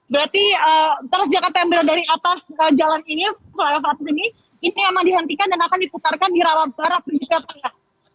berarti teras jakarta yang berada di atas jalan ini pulau pulau saat ini ini memang dihentikan dan akan diputarkan di rawat rawat berikutnya